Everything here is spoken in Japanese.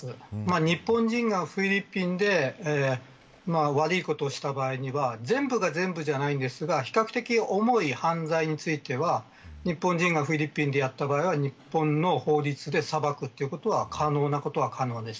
日本人がフィリピンで悪いことをした場合には全部が全部じゃないんですが比較的重い犯罪については日本人がフィリピンでやった場合は日本の法律で裁くことは可能なことは可能です。